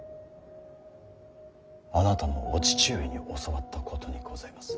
あなたのお父上に教わったことにございます。